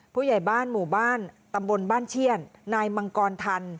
ผู้ใหญ่บ้านหมู่บ้านตำบลบ้านเชี่ยนนายมังกรทัน